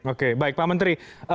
oke baik pak menteri